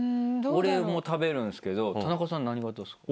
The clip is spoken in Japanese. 俺も食べるんすけど田中さん何型っすか？